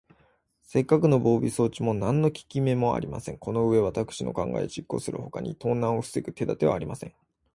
せっかくの防備装置も、なんのききめもありません。このうえは、わたくしの考えを実行するほかに、盗難をふせぐ手だてはありません。